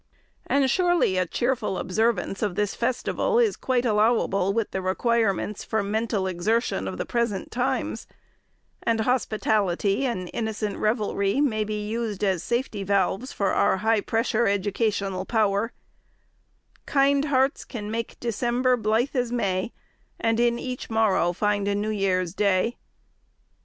And surely a cheerful observance of this festival is quite allowable with the requirements for mental exertion of the present times; and hospitality and innocent revelry may be used as safety valves for our high pressure educational power,— "Kind hearts can make December blithe as May, And in each morrow find a New Year's Day."